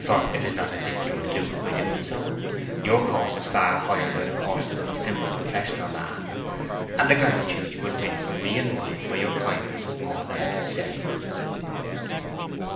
For it is not as if you would lose by so doing; your course is far higher than the courses of a simple professional man, and the gratitude you would win from me and mine by your kindness is more than I can say."